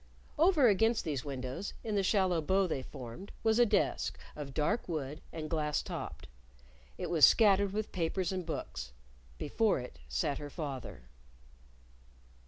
Over against these windows, in the shallow bow they formed, was a desk, of dark wood, and glass topped. It was scattered with papers and books. Before it sat her father.